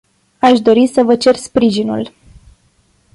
Aș dori să vă cer sprijinul.